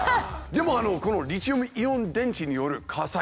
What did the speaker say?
でもこのリチウムイオン電池による火災